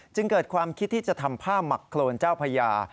จึงเกิดความคิดที่จะทำผ้าหมักโครนเจ้าพญา